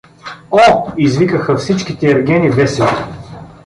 — О! — извикаха всичките ергени весело.